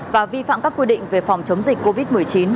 và vi phạm các quy định về phòng chống dịch covid một mươi chín